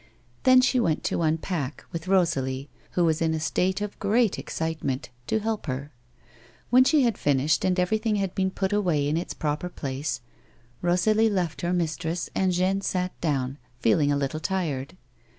Then she went to unpack, with Rosalie, who was in a state of great excitement, to help her ; when she had finished and everything had been put away in its proper place Rosalie left her mistress, and Jeanne sat down, feeling a little tired.